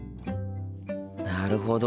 なるほど。